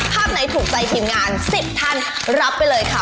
ภาพไหนถูกใจทีมงาน๑๐ท่านรับไปเลยค่ะ